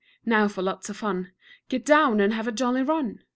Now for lots of fun; Get down, and have a jolly run.